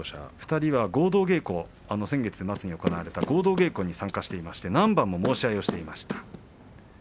２人は先月末に行われた合同稽古に参加して何番も申し合いをしていました。